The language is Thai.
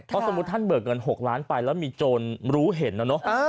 เพราะสมมุติท่านเบิกเงิน๖ล้านไปแล้วมีโจรรู้เห็นนะเนอะ